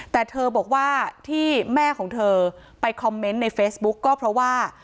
แต่เธอบอกว่าที่แม่ของเธอไปคอมเมนต์ในเฟซบุ๊กก็เพราะว่า